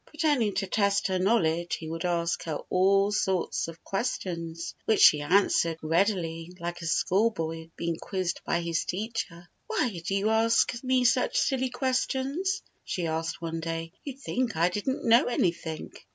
Pretending to test her knowledge, he would ask Bumper Saves Fuzzy Wuzz from Snake 25 her all sorts of questions, which she answered readily like a school boy being quizzed by his teacher. "Why do you ask me such silly questions?" she asked one day. " You'd think I didn't know anything."